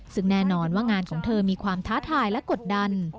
ซึ่งแน่นอนว่างานของเธอมีความท้าทายและกดดัน